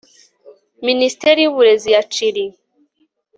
Minisiteri yUburezi ya Chili